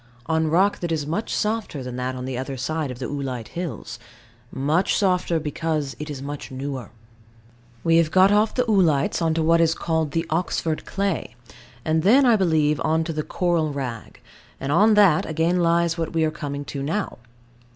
On rock that is much softer than that on the other side of the oolite hills: much softer, because it is much newer. We have got off the oolites on to what is called the Oxford clay; and then, I believe, on to the Coral rag, and on that again lies what we are coming to now.